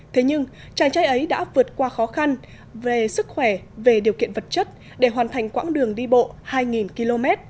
thế nhưng chàng trai ấy đã vượt qua khó khăn về sức khỏe về điều kiện vật chất để hoàn thành quãng đường đi bộ hai km